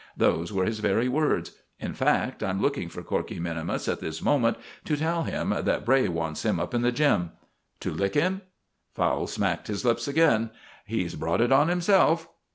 Those were his very words. In fact, I'm looking for Corkey minimus at this moment to tell him that Bray wants him up in the 'gym.'" "To lick him?" Fowle smacked his lips again. "He's brought it on himself."